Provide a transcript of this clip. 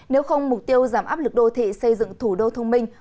nếu không mục tiêu giảm áp lực đô thị xây dựng thủ đô thông minh